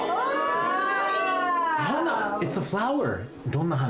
どんな花？